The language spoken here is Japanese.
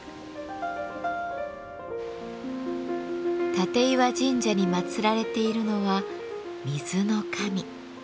立石神社に祀られているのは水の神。